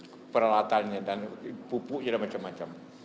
untuk peralatannya dan pupuknya dan macam macam